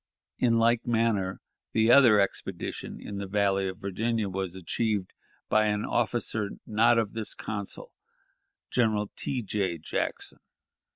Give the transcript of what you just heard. In like manner the other expedition in the Valley of Virginia was achieved by an officer not of this council, General T. J. Jackson.